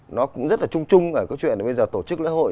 nó cũng rất là trung trung ở cái chuyện bây giờ tổ chức lễ hội